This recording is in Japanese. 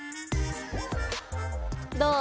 どう？